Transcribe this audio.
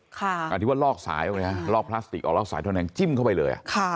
การที่ว่าลอกสายลอกพลาสติกลอกสายทนนังจิ้มเข้าไปเลย